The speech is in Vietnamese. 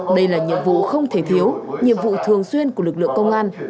đây là nhiệm vụ không thể thiếu nhiệm vụ thường xuyên của lực lượng công an